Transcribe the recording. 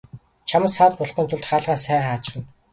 Чамд саад болохгүйн тулд хаалгаа сайн хаачихна.